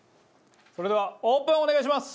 それではオープンをお願いします。